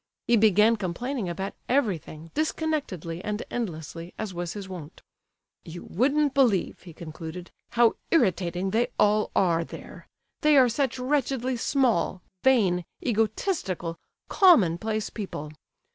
He began complaining about everything, disconnectedly and endlessly, as was his wont. "You wouldn't believe," he concluded, "how irritating they all are there. They are such wretchedly small, vain, egotistical, commonplace people!